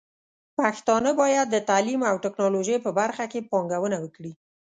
پښتانه بايد د تعليم او ټکنالوژۍ په برخه کې پانګونه وکړي.